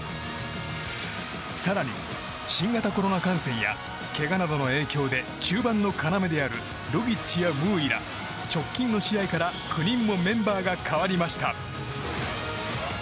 更に、新型コロナ感染やけがなどの影響で中盤の要であるロギッチやムーイら直近の試合から９人もメンバーが変わりました。